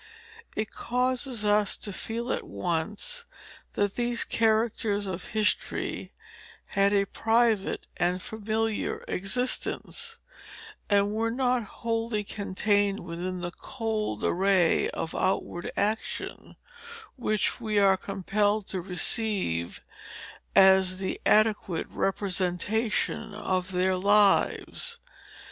It causes us to feel at once, that these characters of history had a private and familiar existence, and were not wholly contained within that cold array of outward action, which we are compelled to receive as the adequate representation of their lives.